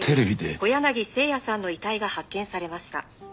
「小柳征矢さんの遺体が発見されました」